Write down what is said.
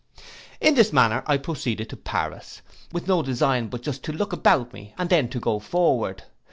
'In this manner I proceeded to Paris, with no design but just to look about me, and then to go forward.